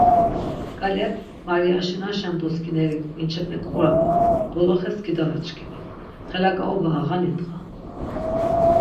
Gale mariaşinaşen doskideri k̆vinçepek qurapan, doloxe skidala çkimi, xelak̆aoba ağani dğa.